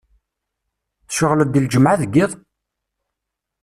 Tceɣleḍ d lǧemεa deg yiḍ?